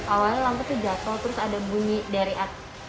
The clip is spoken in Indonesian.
awalnya lampu itu jatuh terus ada bunyi dari atas